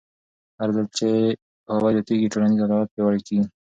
هرځل چې پوهاوی زیاتېږي، ټولنیز عدالت پیاوړی کېږي.